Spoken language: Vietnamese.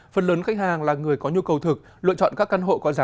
phần lớn khách hàng là người có nhu cầu thực lựa chọn các căn hộ có giá